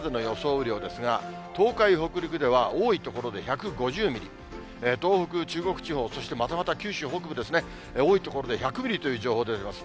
雨量ですが、東海、北陸では多い所で１５０ミリ、東北、中国地方、そしてまたまた九州北部ですね、多い所で１００ミリという情報出てます。